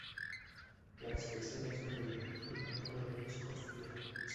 La expresión es sombría, el manejo de la luz confiado.